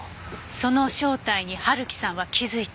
その正体に春樹さんは気づいた。